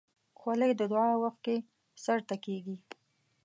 خولۍ د دعا وخت کې سر ته کېږي.